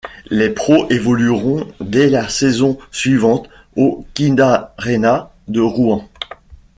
Les pros évolueront dès la saison suivante au Kindarena de Rouen.